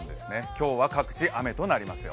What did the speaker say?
今日は各地、雨となります。